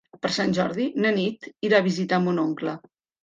Per Sant Jordi na Nit irà a visitar mon oncle.